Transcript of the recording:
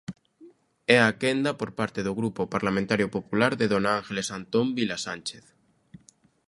É a quenda, por parte do Grupo Parlamentario Popular, de dona Ángeles Antón Vilasánchez.